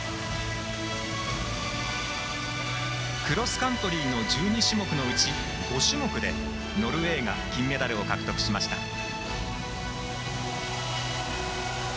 クロスカントリーの１２種目のうち５種目で、ノルウェーが金メダルを獲得しました。